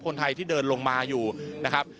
คนไทยที่เดินลงมาอยู่นะครับ